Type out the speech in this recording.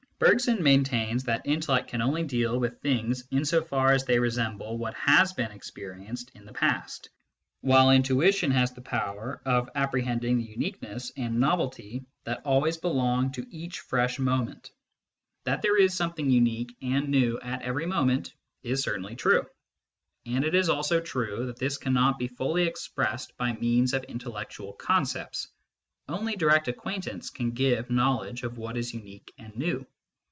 Bergson maintains that intellect can only deal with things in so far as they resemble what has been experi enced in the past, while intuition has the power of appre hending the uniqueness and novelty that always belong to each fresh moment. That there is something unique MYSTICISM AND LOGIC 17 and new at every moment, is certainly true ; it is also true that this cannot be fully expressed by means of intel lectual concepts. Only direct acquaintance can give knowledge of what is unique and new.